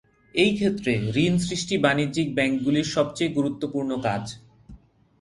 এই ক্ষেত্রে, ঋণ সৃষ্টি বাণিজ্যিক ব্যাংকগুলির সবচেয়ে গুরুত্বপূর্ণ কাজ।